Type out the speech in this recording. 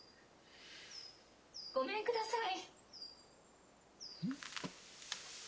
ごめんください。